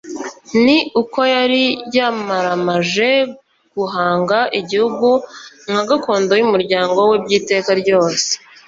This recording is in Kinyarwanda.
ni uko yari yamaramaje guhanga igihugu nka gakondo y’umuryango we by’iteka ryose